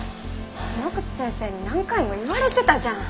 井ノ口先生に何回も言われてたじゃん！